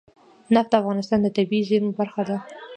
نفت د افغانستان د طبیعي زیرمو برخه ده.